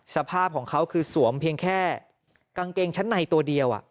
สภาพของเขาคือสวมเพียงแค่กางเกงชั้นในตัวเดียว